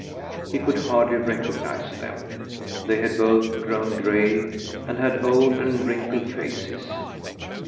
He could hardly recognise them. They had both grown gray, and had old and wrinkled faces.